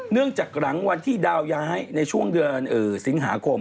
หลังจากหลังวันที่ดาวย้ายในช่วงเดือนสิงหาคม